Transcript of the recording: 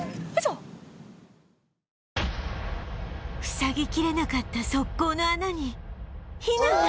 塞ぎきれなかった側溝の穴にヒナが